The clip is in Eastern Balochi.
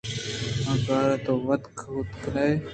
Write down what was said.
آکارءَکہ تو وت کُت کنئے